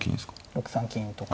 ６三金とか。